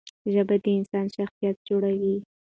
ژبه د انسان شخصیت جوړوي.